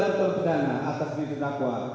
tukar pidana atas bidang dakwa